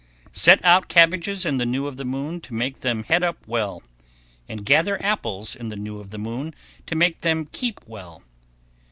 Set out cabbages in the new of the moon to make them head up well, and gather apples in the new of the moon to make them keep well.